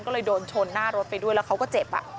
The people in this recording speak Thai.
ก็เลยโดนชนหน้ารถไปด้วยแล้วเขาก็เจ็บ